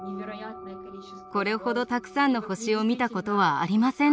これほどたくさんの星を見たことはありませんでした。